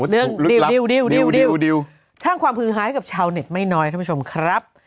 เรื่องดิวทางความพืชหายกับชาวเน็ตไม่น้อยท่านผู้ชมครับ